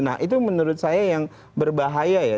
nah itu menurut saya yang berbahaya ya